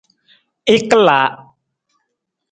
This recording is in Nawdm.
I kalaa.